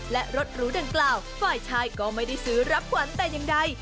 และรถหรูดังกล่าวฝ่ายชายก็ไม่ได้ซื้อรับขวัญแต่อย่างใด